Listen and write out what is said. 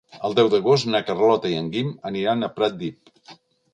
El deu d'agost na Carlota i en Guim aniran a Pratdip.